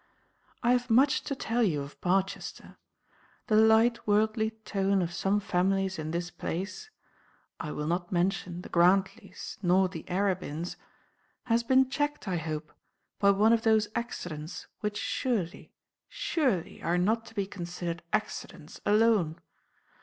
I have much to tell you of Barchester. The light worldly tone of some families in this place (I will not mention the Grantleys nor the Arabins) has been checked, I hope, by one of those accidents which surely, surely, are not to be considered accidents alone!